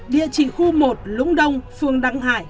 địa chỉ khu một lũng đông phường đăng hải